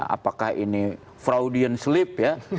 apakah ini fraudian slip ya